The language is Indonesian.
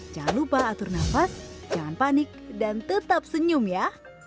jangan lupa atur nafas jangan panik dan tetap senyum ya